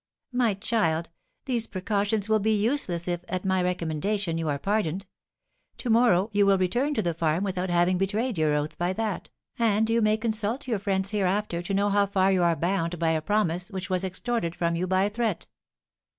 "My child, these precautions will be useless if, at my recommendation, you are pardoned. To morrow you will return to the farm without having betrayed your oath by that; and you may consult your friends hereafter to know how far you are bound by a promise which was extorted from you by a threat."